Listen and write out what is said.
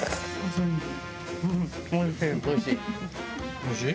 おいしい？